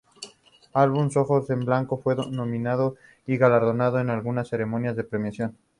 El álbum "Ojos en blanco" fue nominado y galardonado en algunas ceremonias de premiación.